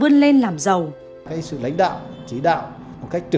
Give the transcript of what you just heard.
nên làm giàu